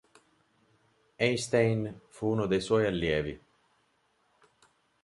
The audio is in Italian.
Einstein fu uno dei suoi allievi.